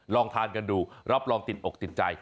ลองทานกันดูรับรองติดอกติดใจ